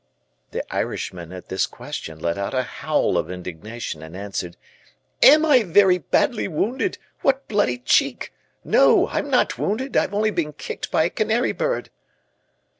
The Irishman, at this question, let out a howl of indignation and answered, "Am I very badly wounded, what bloody cheek; no, I'm not wounded, I've only been kicked by a canary bird."